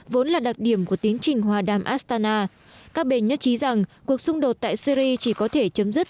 vốn là đặc điểm của tiến trình hòa đàm astana các bên nhất trí rằng cuộc xung đột tại syri chỉ có thể chấm dứt